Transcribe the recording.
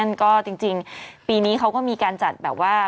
นั่นก็จริงปีนี้เขาก็มีการจัดแบบว่า